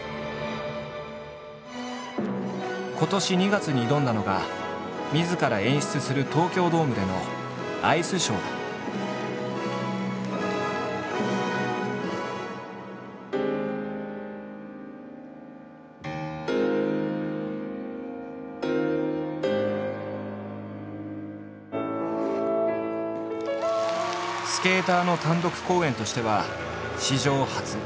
今年２月に挑んだのがみずから演出するスケーターの単独公演としては史上初。